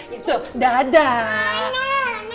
ya tuh dadah